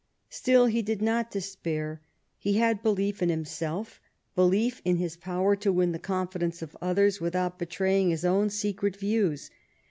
Still he did not despair. He had belief in himself: belief in his power to win the confidence of others, without betraying his own secret views.